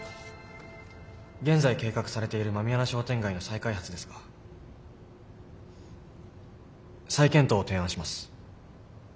現在計画されている狸穴商店街の再開発ですが再検討を提案します。